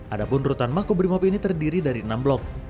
adapun rutan mako brimob ini terdiri dari enam blok